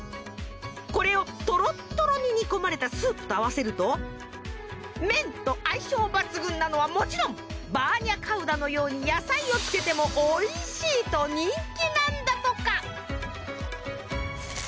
これをトロットロに煮込まれたスープと合わせると麺と相性抜群なのはもちろんバーニャカウダのように野菜をつけてもおいしいと人気なんだとか。